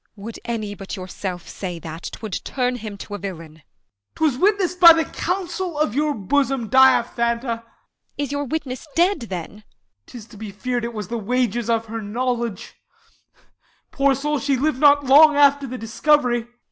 Bea. Would any but yourself say that, 'Twould turn him to a villain. Als. 'Twas witness'd 55 By the counsel of your bosom, Diaphanta. Bea. Is your witness dead then ? Als. 'Tis to be fear'd It was the wages of her knowledge; poor soul, She liv'd not long after the discovery.